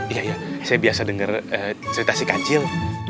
iya iya saya biasa dengar cerita si kancil